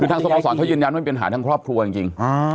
คือทางทรงศักดิ์สนเขายืนย้านว่ามันเป็นปัญหาทางครอบครัวจริง